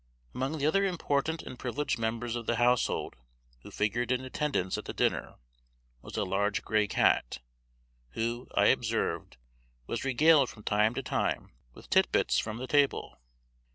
Among the other important and privileged members of the household who figured in attendance at the dinner, was a large gray cat, who, I observed, was regaled from time to time with tit bits from the table.